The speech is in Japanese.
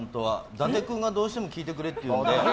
伊達君がどうしても聞いてくれっていうので。